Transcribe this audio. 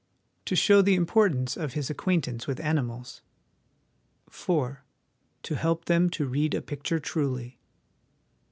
To show the importance of his acquaintance with animals. " 4. To help them to read a picture truly.